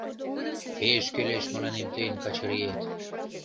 — Пеш кӱлеш мыланем тыйын Качыриет.